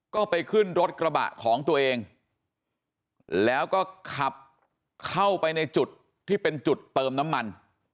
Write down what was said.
ก็ไปขึ้นรถกระบะของตัวเองแล้วก็ขับเข้าไปในจุดที่เป็นจุดเติมน้ำมัน